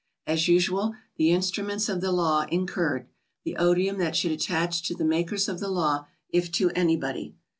As usual, the instruments of the law in .curred the odium that should attach to the makers of the law. SOMEWHAT FINANCIAL. 197 if to anybody.